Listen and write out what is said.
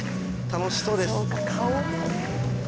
楽しそうです